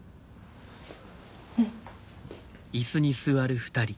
うん。